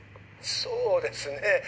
そうですね